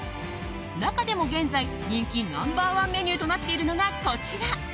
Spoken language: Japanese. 中でも現在人気ナンバー１メニューとなっているのがこちら。